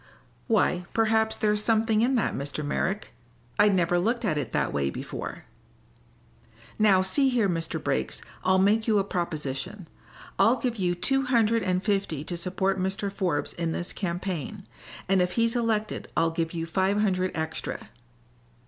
"Why, perhaps there's something in that, Mr. Merrick. I'd never looked at it that way before." "Now, see here, Mr. Briggs. I'll make you a proposition. I'll give you two hundred and fifty to support Mr. Forbes in this campaign, and if he's elected I'll give you five hundred extra."